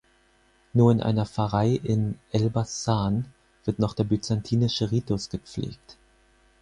Nur in einer Pfarrei in Elbasan wird noch der byzantinische Ritus gepflegt.